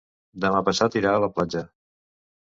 Demà passat irà a la platja.